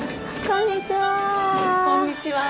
こんにちは。